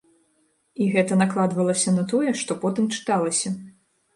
І гэта накладвалася на тое, што потым чыталася.